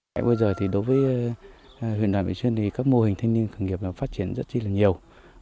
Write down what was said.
bây giờ thì đối với huyện đoàn bệnh chuyên thì các mô hình thanh niên khởi nghiệp phát triển rất là nhiều